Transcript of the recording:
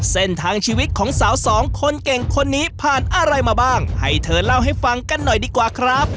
เส้นทางชีวิตของสาวสองคนเก่งคนนี้ผ่านอะไรมาบ้างให้เธอเล่าให้ฟังกันหน่อยดีกว่าครับ